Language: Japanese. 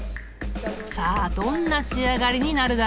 さあどんな仕上がりになるだろう？